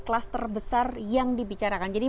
kluster besar yang dibicarakan jadi